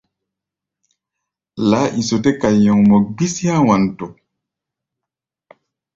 Laáiso tɛ́ kai nyɔŋmɔ gbísí há̧ Wanto.